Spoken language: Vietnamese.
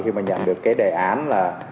khi mà nhận được cái đề án là